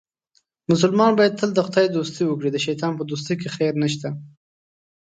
مسلمان باید تل د خدای دوستي وکړي، د شیطان په دوستۍ کې خیر نشته.